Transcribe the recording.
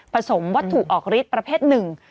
สมวัตถุออกฤทธิ์ประเภทหนึ่ง